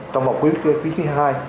trong vòng khí khí hai